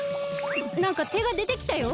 なんかてがでてきたよ。